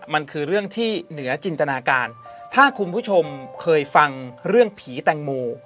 มันคือเรื่องที่เหนือจินตนาการถ้าคุณผู้ชมเคยฟังเรื่องผีแตงโม